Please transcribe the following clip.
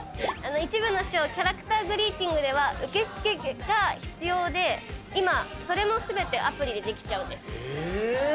一部のショーキャラクターグリーティングでは受け付けが必要で今それも全てアプリでできちゃうんです。え！？